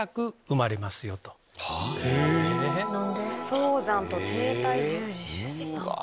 早産と低体重児出産。